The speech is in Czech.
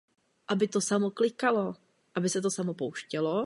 V těchto letech začínal být slavný Alice Cooper.